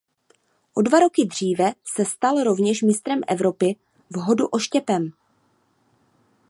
O dva roky dříve se stal rovněž mistrem Evropy v hodu oštěpem.